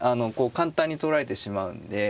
簡単に取られてしまうんで。